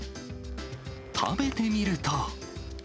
食べてみると。